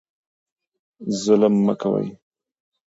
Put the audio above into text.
ظلم مه کوئ.